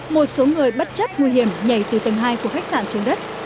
một số người bất chấp nguy hiểm nhảy từ tầng hai của khách sạn xuống đất